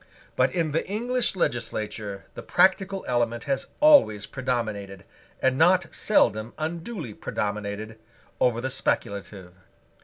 But in the English legislature the practical element has always predominated, and not seldom unduly predominated, over the speculative.